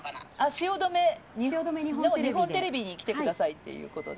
汐留、日本テレビに来てくださいっていうことで。